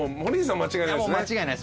間違いないです